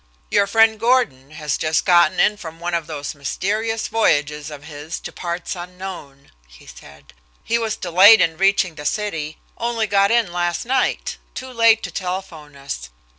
"Your friend, Gordon, has just gotten in from one of those mysterious voyages of his to parts unknown," he said. "He was delayed in reaching the city, only got in last night, too late to telephone us.